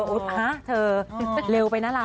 อุ๊ดฮะเธอเร็วไปนะเรา